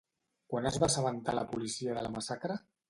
Quan es va assabentar la policia de la massacre?